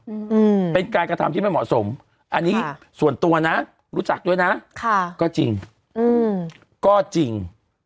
อืมเป็นการกระทำที่ไม่เหมาะสมอันนี้ส่วนตัวนะรู้จักด้วยนะค่ะก็จริงอืมก็จริง